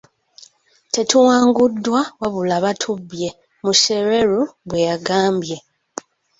"Tetuwanguddwa wabula batubbye,” Mushereru bwe yagambye.